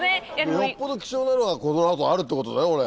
よっぽど貴重なのがこの後あるってことだねこれ。